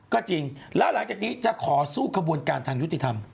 ก็จริงแล้วหลังจากนี้จะขอสู้ขบวนการทางยุติธรรม